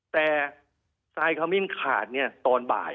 แต่สายขมิ้นขาดเนี่ยตอนบ่าย